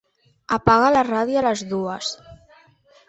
Apaga la ràdio a les dues.